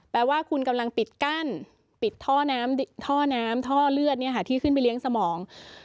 แปลว่าคุณกำลังปิดกั้นปิดท่อน้ำท่อน้ำท่อเลือดที่ขึ้นไปเลี้ยงสมอง